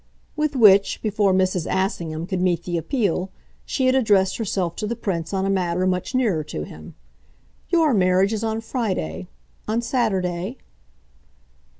With which, before Mrs. Assingham could meet the appeal, she had addressed herself to the Prince on a matter much nearer to him. "YOUR marriage is on Friday? on Saturday?"